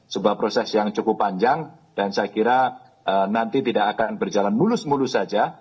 sebuah proses yang cukup panjang dan saya kira nanti tidak akan berjalan mulus mulus saja